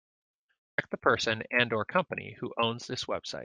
Check the person and/or company who owns this website.